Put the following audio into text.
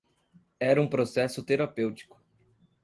Era um processo terapêutico.